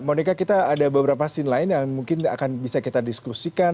monika kita ada beberapa scene lain yang mungkin akan bisa kita diskusikan